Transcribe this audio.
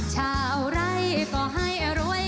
ชาวไร่ก็ให้รวย